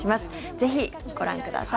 ぜひご覧ください。